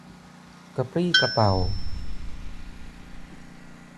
กระปรี้กระเปร่า